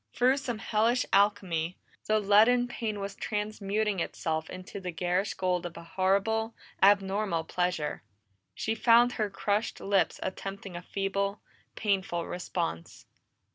Through some hellish alchemy, the leaden pain was transmuting itself into the garish gold of a horrible, abnormal pleasure. She found her crushed lips attempting a feeble, painful response.